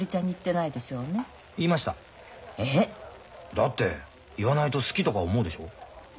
だって言わないと好きとか思うでしょ。